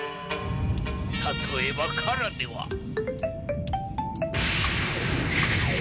たとえば唐では。